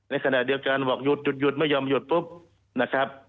ในขณะเดียวกันบอกหยุดหยุดไม่ยอมหยุดปุ๊บนะครับ